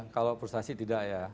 kalau frustrasi tidak ya